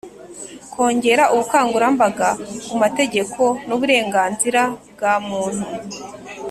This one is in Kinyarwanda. Kongera ubukangurambaga ku mategeko n uburenganzira bwa muntu